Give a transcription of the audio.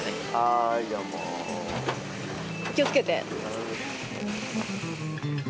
気をつけて。